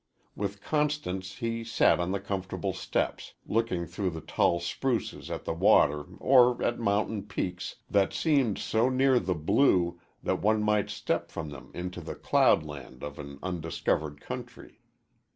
With Constance he sat on the comfortable steps, looking through the tall spruces at the water or at mountain peaks that seemed so near the blue that one might step from them into the cloudland of an undiscovered country.